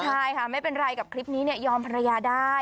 ใช่ค่ะไม่เป็นไรกับคลิปนี้เนี่ยยอมภรรยาได้